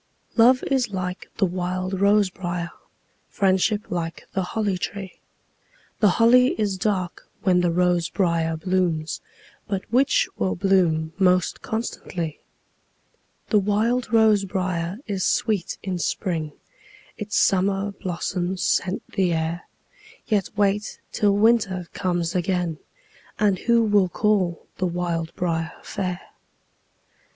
Love is like the wild rose briar; Friendship like the holly tree. The holly is dark when the rose briar blooms, But which will bloom most constantly? The wild rose briar is sweet in spring, Its summer blossoms scent the air; Yet wait till winter comes again, And who will call the wild briar fair?